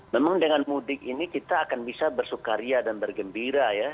memang dengan mudik ini kita akan bisa bersukaria dan bergembira ya